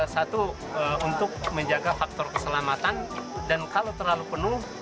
satu untuk menjaga faktor keselamatan dan kalau terlalu penuh